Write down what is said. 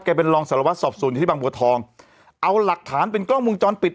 เป็นรองสารวัตรสอบสวนอยู่ที่บางบัวทองเอาหลักฐานเป็นกล้องวงจรปิด